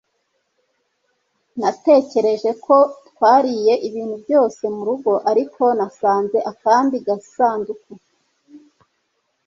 Natekereje ko twariye ibintu byose murugo ariko nasanze akandi gasanduku